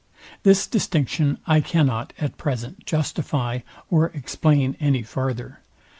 This distinction I cannot at present justify or explain any farther.